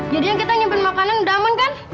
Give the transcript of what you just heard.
jadi yang kita nyimpen makanan udah aman kan